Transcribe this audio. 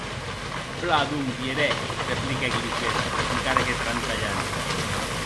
Plan, donc, vierè, repliquèc Lisbeth, encara que trantalhant.